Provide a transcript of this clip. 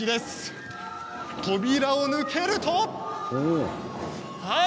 扉を抜けると。